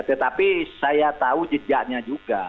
tetapi saya tahu jejaknya juga